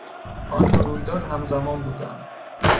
آن دو رویداد همزمان بودند.